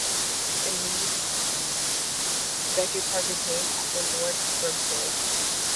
In Leeds, Beckett Park is named after Lord Grimthorpe.